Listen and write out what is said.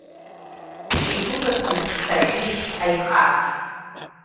Шәигәыҵасны дҭашәыжь аихац!